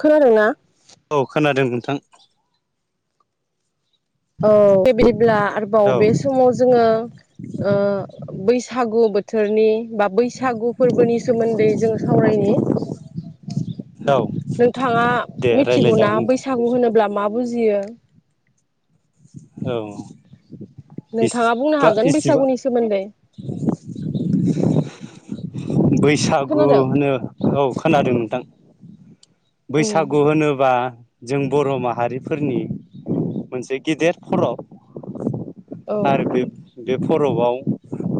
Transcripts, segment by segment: खोनादोंना औ खोनादोंमोन । थां । औ [unintelligible] ब्ला आरोबाव औ बे समाव जोङो ओ बैसागु बो थोरनि बा बैसागु फोरबोनि सोमोन्दै जोङो सावरायनि, औ नोंथाङा दे रायज्लाय मिथिगौना जागोन नोंथां बैसागु होनोब्ला माब बुजि यो? औ । नोंथाङा बुंनो हागोन बैसागुनि सोमोन्दै? [inaudible] बैसागु खोनादों होनो औ औ खोनादों नोंथां । उम बैसागु होनोबा जों बर' माहारिफोरनि मोनसे गेदेर फोरबो औ आर बे बे फरबाव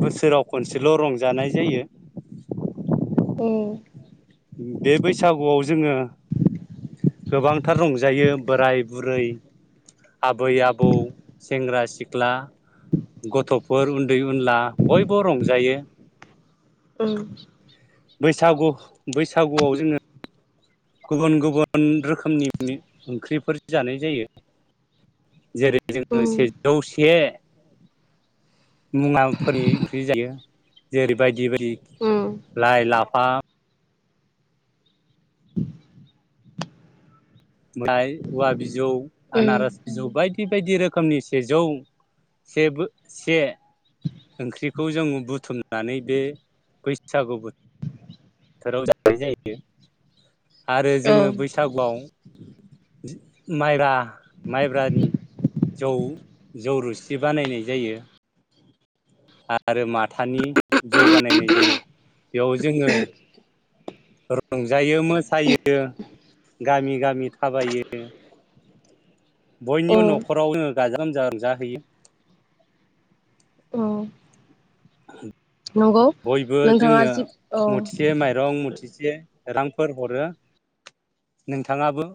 बोसोराव खनसेल' रंजानाय जायो। उम बे बैसागुआव जोङो गोबांथार रंजायो बोराय बुरै आबै आबौ सेंग्रा सिख ख्ला गथ'फोर उ दै उनला बयबो रंजायो। [inaudible] बैसागु बैसागुआव जोङो गुबुन गुबुन रोखोमनि ओंख्रिफोर जानाय जायो। जेरै उम जोङो सेजौ से मुवाफोरनि ओंख्रि जायो। जेरैबायदि उम लाइ लाफा [inaudible] औवा बि जौ उम आनारस बिजौ बायदि बे बायदि रोखोमनि सेजौ सेबो से ओंख्रिखौ जों बुथुमनानै बे बैसागु बोथोर थोराव जानाय जायो। आरो औ जोङो बैसागुआव माइब्रा माइब्रानि जौ जौ रोसि बानायनाय जायो। आरो माथानि जौ बानायनाय जायो बेयाव जोङो रंजायो मोसायो गामि गामि थाबायो औ बयनिबो न'खराव जोङो गाजा गोमजा रंजाहैयो औ [unintelligible] नंगौ बयबो नोंथाङा जोंनो जि औ मुथिसे माइरं मुथिसे रांफोर हरो नोंथाङाबो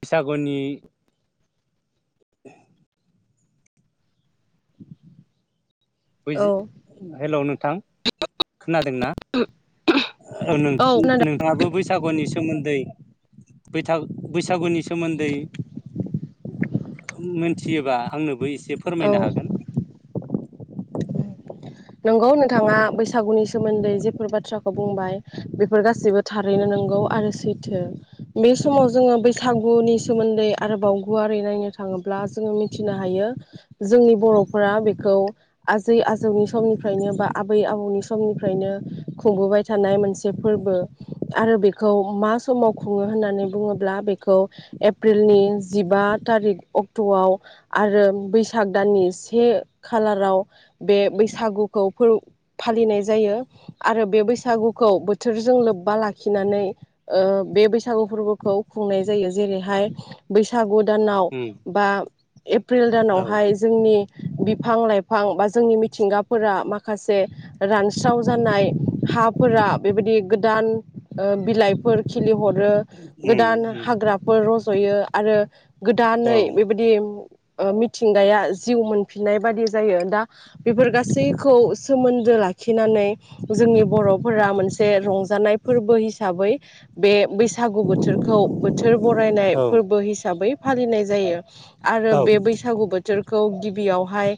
बैसागुनि औ हेल' नोंथां खोनादोंना औ खोनादों नोंथाङाबो बैसागुनि सोमोन्दै बैथा बैसागुनि सोमोन्दै मोनथियोबा आंनोबो एसे फोरमायनो औ हागोन नंगौ नोंथाङा बैसागुनि सोमोन्दै जेफोर बाथ्राखौ बुंबाय बेफोर गासैबो थारैनो नंगौ आरो सैथो बे समाव जोङो बैसागुनि सोमोन्दै आरोबाव गुवारै नायनो थाङोब्ला जोङो मिथिनो हायो जोंनि बर'फोरा बेखौ आजै आजौनि समनिफ्रायनो बा आबै आबौनि समनिफ्रायनो खुंबोबाय थानाय मोनसे फोरबो आरो बेखौ मा समाव खुङो होननानै बुङोब्ला बेखौ एप्रिलनि जिबा थारिक अक्ट'आव आरो बैसाग दाननि से खालाराव बे बैसागुखौ फालिनाय जायो आरो बे बैसागुखौ बोथोरजों लोब्बा लाखिनानै ओ बे बैसागु फोरबोखौ खुंनाय जायो जेरैहाय बैसागु दानाव उम बा एप्रिल औ दानावहाय जोंनि बिफां लाइ फां बा जोंनि मिथिंगाफोरा माखासे रानस्राव जानाय हाफोरा बेबायदि गोदान बिलाइफोर खिलिहर आरो उम गोदान उम हाग्राफोर जयो आरो औ गोदानै बेबायदि ओ मिथिंगाया जिउ मोनफिननाय बादि जायो ।दा बेफोर गासैखौ सोमोन्दो लाखिनानै जोंनि बर'फोरा मोनसे रंजानाय फोरबो हिसाबै बे बैसागु बोथोरखौ बोथोर बरायनाय औ फोरबो हिसाबै फालिनाय जायो। आरो औ बे बैसागु बो थोरखौ गिबियावहाय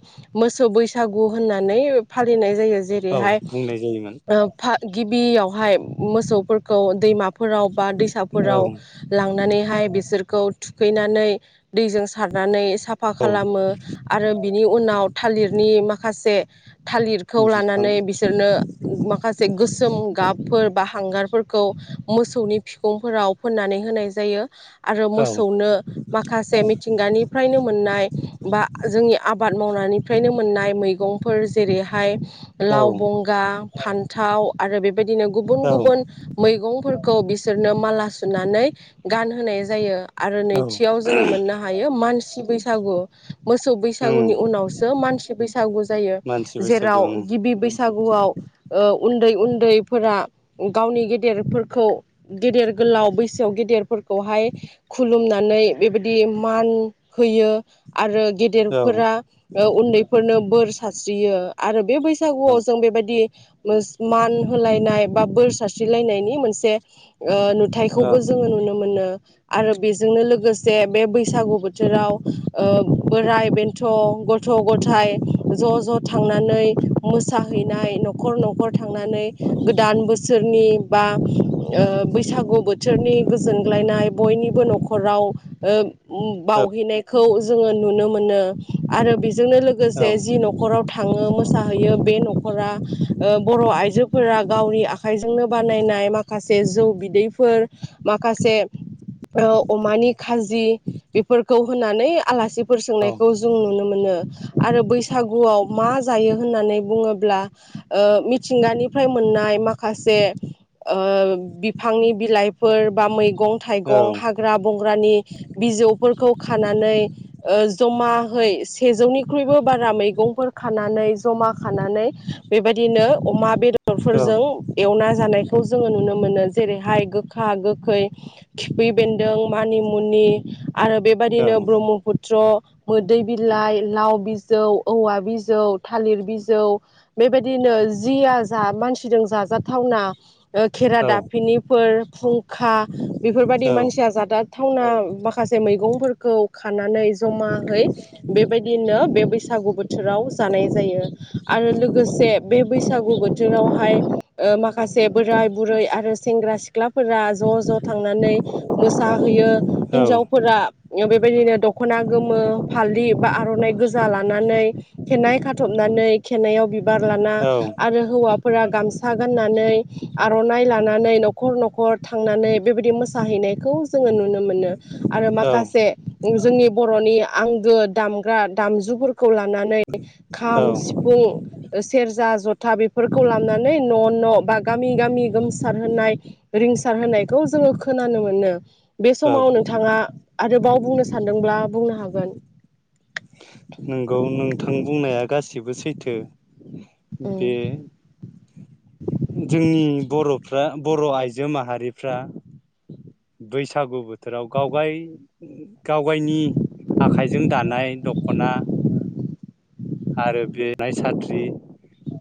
मोसौ बैसागु होननानै फालिनाय जायो औ जेरैहाय बुंनाय जायोमोन ओ गिबियावहाय मोसौफोरखौ दैमा फोराव बा औ दैसाफोराव लांनानैहाय बिसोर थुखैनानै दैजों सारनानै साफा औ खालामो आरो बिनि उनाव थालिरनि माखा से थालिरखौ बिफां लानानै बिसोरनो माखासे गोसोम गाबफोर बा हांगारफोर खौ मोसौनि फिखंफोराव फोननानै होनाय जायो। आरो औ मोसौनो माखासे मिथिंगानिफ्रायनो मोननाय बा जोंनि आबाद मावनानै फ्रायनो मोननाय मैगंफोर जेरैहाय औ लाव बंगा फान्थाव आरो बे बेबायदिनो गुबुन औ गुबुन मैगंफोरखौ बिसोरनो माला सुनानै गानहोनाय जायो। आरो औ नैथियाव जोङो मोननो हायो मानसि सि बैसागु मोसौ उम बैसागुनि उनाव मानसि बैसागु जायो मानसि बैसागु जेराव ओं गिबि बैसागुआव ओ उन्दै उन्दैफोरा गावनि गेदेरफोरखौ गेदेर गोलाव बैसोआव गेदेरफोरखौहाय खुलुमनानै बेबायदि मान होयो आरो गेदेरफोरा औ बेफोरनो बोर सारस्रियो आरो बे बैस बैसागुआव जों बेबायदि मान होलायनाय बा बोर सारस्रिलायनायनि मोनसे ओ औ नुथायखौबो जोङो नुनो मोनो। आरो बेजोंनो लोगोसे बे बैसागु बोथ बोथोराव ओ बोराय बेन्थ' गथ गथ' गथाइ ज' ज' थांनानै मोसाहैनाय नखर नख नखर थांनानै गोदान बोसोरनि बा ओ बैसागु बोथोरनि गोजोनग्लायनाय बयनिबो नखर खराव ओ ओम बावहैनायख खौ जोङो नुनो मोनो आरो बिस बिजोंनो औ लोगोसे जि नखराव थाङो मोसाहैयो बे नखरा ओ बर' आइजोफोरा गावनि आखाइजोंनो बानायनाय माखासे से जौ बिदैफोर माखासे ओ अमानि खाजि बेफोरखौ होननानै आलासि फोर औ सोंनायखौ जों नुनो मोनो। आरो बैसागुआव मा जायो होननानै बुङोब्ला ओ मिथिंगानिफ्राय मोननाय माखासे ओ बिफांनि बिलाइ फोर बा मैग मैगं औ औ थाइगं हाग्रा बंग्रानि बिजौफोरखौ खानानै ओ जमाहै सेजौनि ख्रुइबो बारा मैगंफोर खानानै जमा खानानै बेबायदिनो अमा बेदरफोरजों एवना जानाय खौ जोङो नुनो मोनो जेरैहाय गोखा गोखै, खिफि बेन्दों, मानिमुनि आरो बेबायदिनो ब्रह्मफुत्र मोदै बिलाइ लाउ बिजौ औवा बिजौ थालिर बिजौ बेबायदिनो जिया जा मानसिजों जाजाथावना ओ खेरा दाफिनिफोर फुंखा बेफोरबायदि मानसिया जादा थावना माखासे मैगं फोरखौ खानानै जमाहै बेबायदिनो सागु बोथोराव जानाय जायो आरो लोगोसे बे बैसागु बोथोरावहाय ओ माखासे बोराय बुरै आरो सेंग्रा सिख्लाफोरा ज' ज' थांनानै मोसाहोयो हिन्जावफोरा बेबायदिनो दख'ना गोमो फालि बा आर'नाइ गोज जा लानानै खेनाय खाथबनानै खेनायाव बि बिबार लाना आरो हौवा फोरा गामसा गाननानै आर'नाइ लानानै न'खर न'खर थांनानै बेबायदि मोसाहैनायफोर खौ जोङो नुनो मोनो आरो औ औ माखासे जोंनि बर'नि आंगो दामग्रा दामजुफोर खौ लानानै खाम, सिफुं, सेरजा, ज' था बेफोरखौ लानानै न' न' बा गामि गामि गोमसार होनाय रिंसार होनायखौ जोङो खोनानो मोनो। बे औ समाव नोंथाङा आरोबाव बुंनो सान्दोंब्ला बुंनो हाग गोन। नोंगौ नों थां बुंनाया गासिबो सैथो। बे जोंनि बर'फ्रा बर' आइजो माहारिफ्रा बैसागु बोथोराव गावगाय गावगायनि आखाइजों दानाय दख'ना आरो बे नाय साथ्रि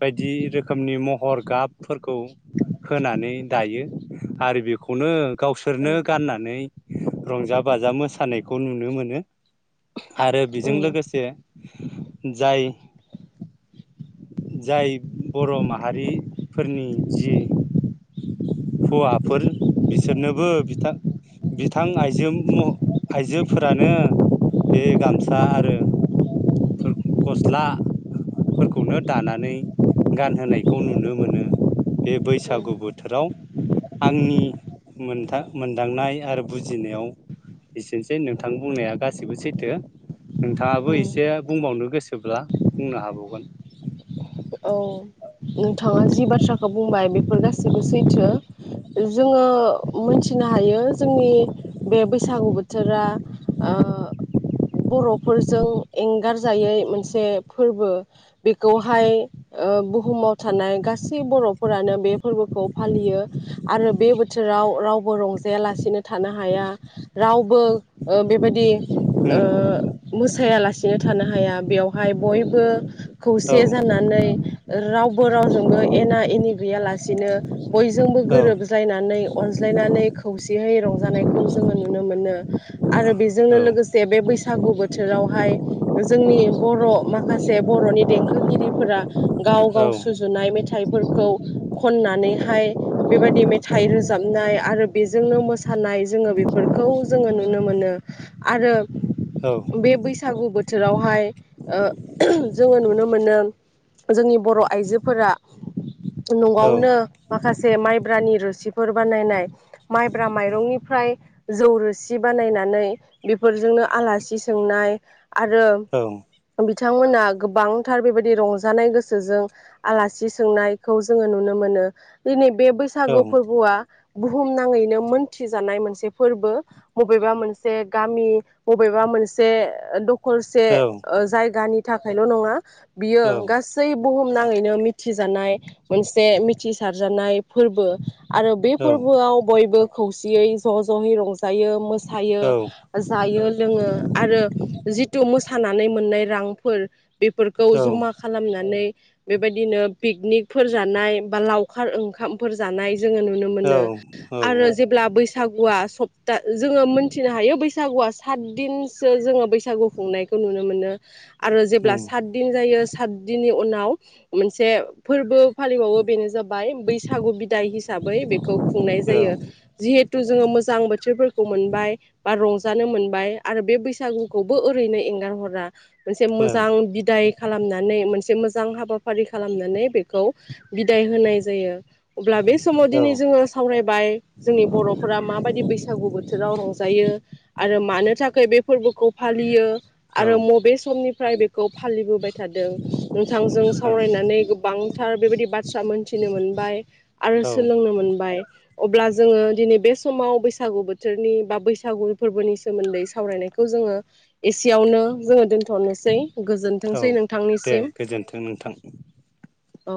बायदि रोखोमनि महर गाबफोरखौ होनानै दायो आरो बेखौनो गावसोरनो गाननानै रंजा बाजा मोसानायखौ नुनो मोनो। आरो बेजों लोगोसे [unintelligible] जाय जाय बर' माहारिफोरनि जि हौवाफोर बिसोरनोबो बिथां बिथां आइजो म आइजोफोरानो बे गामसा आरो फोर गस्लाफोरखौनो दानानै गानहोनायखौ नुनो मोनो बे बैसागु बोथोराव आंनि मोनथां मोनदांनाय आरो बुजिनायाव एसेनोसै नोंथां बुंनाया गासैबो सैथो नोंथाङाबो एसे बुंबावनो गो सोब्ला बुंनो हाबावगोन। औ फोर गासिबो सैथो जोङो मिथिनो हायो जोंनि बे बैसागु बो थोरा अ बर'फोरजों एंगारजायै मोनसे फोरबो बेखौहाय ओ बुहुमाव थानाय गासै बर' फोरानो बे फोरबोखौ फालियो आरो बे थोराव राव बो रंजायालासिनो थानो हाया रावबो ओ बेबायदि ओ मोसाया लासिनो थानो हाया। [unintelligible] बेवहाय बयबो औ खौसे जानानै रावबो रावजोंबो एना एनि गैया लास सिनो बयजोंबो औ गोरोबलायनानै अनज्लायनानै खौसेयै रंजानायखौ जोङो नुनो मोनो आरो बेजोंनो औ लोगोसे बे बैसागु बोथोरावहाय जोंनि बर' माखासे बर'नि देंखोगिरिफोरा गाव औ गाव सुजुनाय मेथाइफोरखौ खननानै हाय बेबायदि मेथाइ रोजाबनाय आरो बेजोंनो मोसानाय जोङो बेफोरखौ जोङो नुनो मोनो। आरो औ बे बैसागु बोथोरावहाय ओ जोङो नुनो मोनो जोंनि बर' आइजोफोरा औ न'आवनो माखा से माइब्रानि रोसिफोर बानायनाय माइब्रा माइरंनिफ्राय जौरोसि बानायनानै बेफोरजोंनो आलासि सोंनाय आरो औ [unintelligible] बिथांमोना गोबांथार बेबायदि रंज जानाय गोसोजों आलासि सोंनायखौ जोङो नुनो मोनो दिनै बे औ बैसागु फोरबोआ बुहुम नाङैनो मोनथिजानाय मोनसे फोरबो बबेबा मोनसे गामि बबेबा मोनसे खरसे ओ जायगानि थाखायल' नङा बियो बुहुम नाङैनो मिथिजानाय मोनसे मिथिसारजानाय फोरबो। आरो बे फोरबोआव बयबो खौसेयै ज जयै रंजायो मोस थायो जायो लोङो आरो जिथु मुस सानानै मोननाय रांफोर बेफोरखौ औ जमा नानै बेबायदिनो पिकनिकफोर जानाय बा लावखार ओंखामफोर जानाय जोङो नुनो औ मोनो आरो जेब्ला बैसागुआ सब दा जोङो मोनथिनो हायो बैसागुआ सात दिनसो जोङो सागु खुंनायखौ नुनो मोनो आरो जेब्ला उम सात दिन जायो उनाव मोनसे फोरबो फालिबावो बेनो जाबाय बैसागु बिदाय हिसाबै बेखौ खुंनाय औ जायो जिहेथु जोङो मोजां बोथोरफोरखौ मोनबाय बा रंज जानो मोनबाय आरो बे बैसागुखौबो ओरैनो एंगारहरा मोनसे मोजां बिदाय खालामना नानै मोनसे मोजां हाबाफारि खालामनानै बेखौ बिदाय होनाय जायो अब्ला बे समाव दिनै जोङो सावरायबाय जोंनि बरफोरा माबायदि बैसागु बोथोराव रंजायो आरो मानो थाखाय बे फोरबोखौ फालियो आरो मबे समनिफ्राय बे खौ फालि थादों नोंथांजों सावरायनानै गोबांथार बेबायदि बाथ्रा मोनथिनो मोन बाय आरो औ सोलोंनो मोनबाय अब्ला जोङो दिनै बे समाव बैसागु बोथोरनि बा बैसागु फोरबोनि सोमोन्दै सावरायनायखौ जोङो एसेयावनो जोङो दोनथनोसै औ गोजोन्थोंसै नों दे गोजोन्थों नोंथां औ